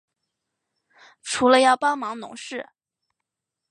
除了要帮忙农事